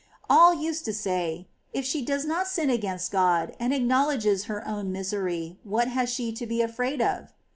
All used to say. If she does not sin against God, and acknowledges her own misery, what has she to be afraid of?